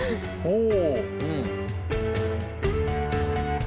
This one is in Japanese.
おお！